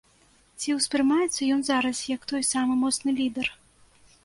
Ці ўспрымаецца ён зараз як той самы моцны лідэр?